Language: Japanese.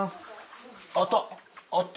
あったあった。